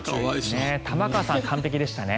玉川さん、完璧でしたね。